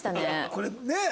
これねえ？